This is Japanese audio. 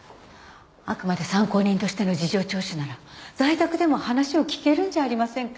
あくまで参考人としての事情聴取なら在宅でも話を聞けるんじゃありませんか？